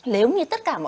nếu như tất cả mọi người